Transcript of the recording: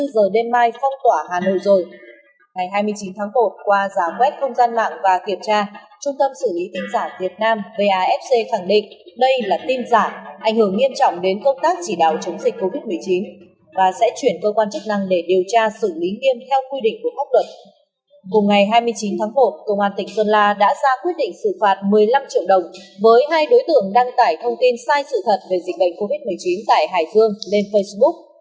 cùng ngày hai mươi chín tháng một công an tỉnh sơn la đã ra quyết định xử phạt một mươi năm triệu đồng với hai đối tượng đăng tải thông tin sai sự thật về dịch bệnh covid một mươi chín tại hải dương lên facebook